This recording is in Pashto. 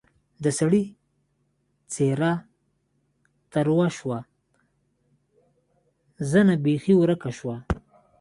د سړي څېره تروه شوه زنه بېخي ورکه شوه.